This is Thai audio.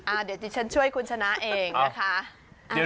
เดี๋ยวที่ฉันช่วยคุณชนะเองนะคะ